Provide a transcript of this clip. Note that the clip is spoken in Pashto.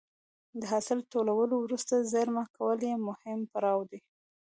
د حاصل ټولولو وروسته زېرمه کول یو مهم پړاو دی.